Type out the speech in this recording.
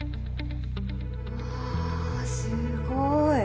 うわすごい。